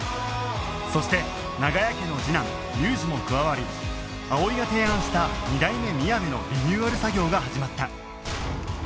そして長屋家の次男龍二も加わり葵が提案した二代目みやべのリニューアル作業が始まった